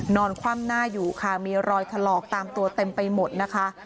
คว่ำหน้าอยู่ค่ะมีรอยถลอกตามตัวเต็มไปหมดนะคะ